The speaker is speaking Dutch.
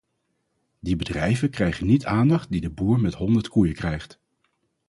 Die bedrijven krijgen niet de aandacht die de boer met honderd koeien krijgt.